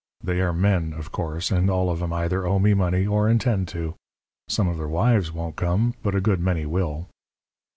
They are men, of course, and all of 'em either owe me money or intend to. Some of their wives won't come, but a good many will.'